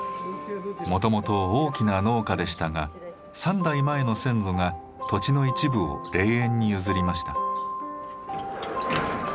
もともと大きな農家でしたが３代前の先祖が土地の一部を霊園に譲りました。